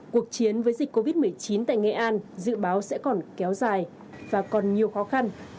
cuộc chiến với dịch covid một mươi chín tại nghệ an dự báo sẽ còn kéo dài và còn nhiều khó khăn